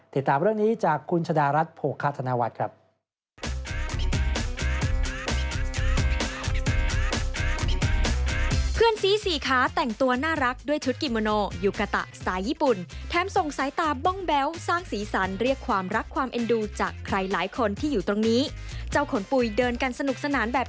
ติดตามเรื่องนี้จากคุณชะดารัฐโภคาธนวัฒน์ครับ